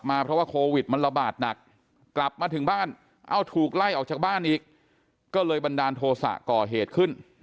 มาเพราะว่าโควิดมันระบาดหนักกลับมาถึงบ้านเอาถูกไล่ออก